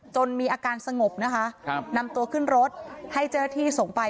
มีอาการสงบนะคะนำตัวขึ้นรถให้เจ้าหน้าที่ส่งไป